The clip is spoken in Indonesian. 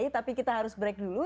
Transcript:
tapi kita harus break dulu